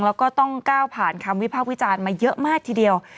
แล้วก็ต้องก้าวผ่านคำวิพากษ์วิจารณ์มาเยอะมากทีเดียว